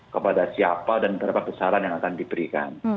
kepada siapa dan berapa besaran yang akan diberikan